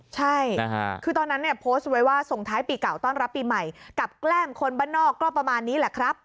ใช่คือตอนนั้นเนี่ยโพสต์ไว้ว่าส่งท้ายปีเก่าต้อนรับปีใหม่กับแกล้มคนบ้านนอกก็ประมาณนี้แหละครับ